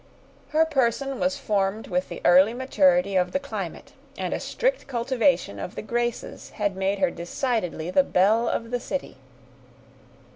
Her person was formed with the early maturity of the climate, and a strict cultivation of the graces had made her decidedly the belle of the city.